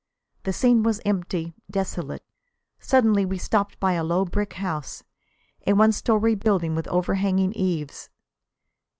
The scene was empty, desolate. Suddenly we stopped by a low brick house, a one story building with overhanging eaves.